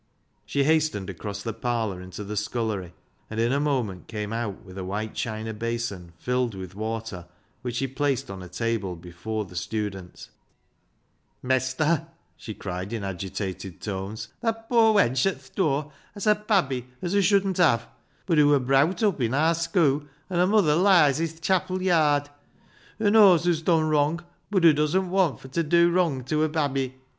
She hastened across the parlour into the scullery, and in a moment came out with a white china basin filled with water, which she placed on a table before the student. " Mestur," she cried in agitated tones, " that poor wench at th' dur has a babby as hoo THE STUDENT 31 shouldn't have. Bud hoo were browt up i' aar schoo', and her muther hes i' th' chapil yard. Hoo knows hoo's dun wrung, bud hoo doesn't want fur t' dew wrung to her babby.